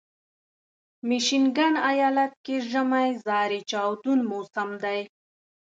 د میشیګن ایالت کې ژمی زارې چاودون موسم دی.